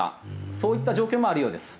そういった状況もあるようです。